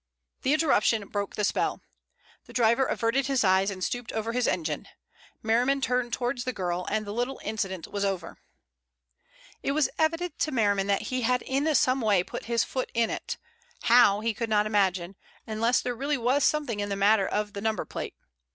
The interruption broke the spell. The driver averted his eyes and stooped over his engine; Merriman turned towards the girl, and the little incident was over. It was evident to Merriman that he had in some way put his foot in it, how he could not imagine, unless there was really something in the matter of the number plate.